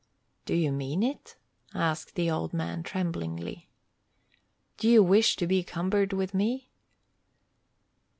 "Do you mean it?" asked the old man, tremblingly. "Do you wish to be cumbered with me?"